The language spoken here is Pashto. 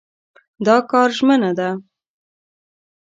دا کار ژمنه ده.